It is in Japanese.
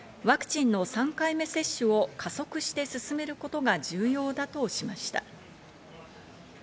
ワクチンの３回目接種を加速して進めることが重要だとしました。